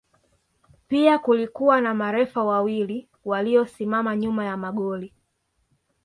Pia kulikuwa na marefa wawili waliosimama nyuma ya magoli